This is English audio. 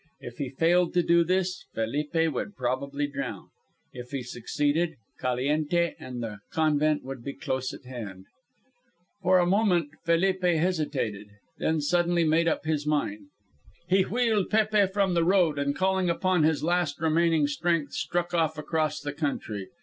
If he failed to do this Felipe would probably drown. If he succeeded, Caliente and the convent would be close at hand. For a moment Felipe hesitated, then suddenly made up his mind. He wheeled Pépe from the road, and calling upon his last remaining strength, struck off across the country.